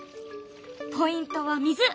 ポイントは水。